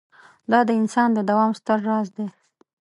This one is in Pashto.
دا د انسان د دوام ستر راز دی.